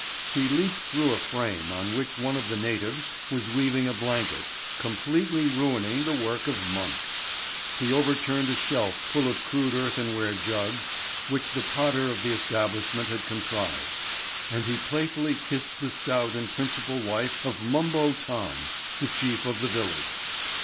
He leaped through a frame on which one of the natives was weaving a blanket, completely ruining the work of months; he overturned a shelf full of crude earthenware jugs which the potter of the establishment had contrived; and he playfully kissed the stout and principal wife of Mumbo Tom, the chief of the village.